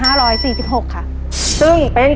ทาราบังชุดรับแขกออกวางแผงในปีภศ๒๕๔๖ค่ะ